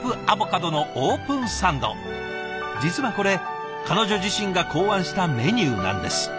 実はこれ彼女自身が考案したメニューなんです。